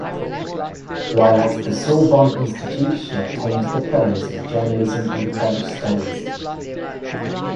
While at the Sorbonne institute she obtained diplomas in journalism and French studies.